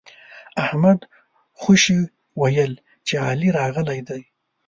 احمد خوشي ويل چې علي راغلی دی.